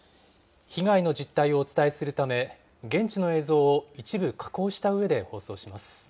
被害の実態をお伝えするため、現地の映像を一部加工したうえで放送します。